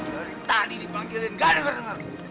dari tadi dipanggilin gak denger dengar